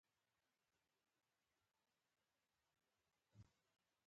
پابندي غرونه د افغانستان د موسم د بدلون سبب کېږي.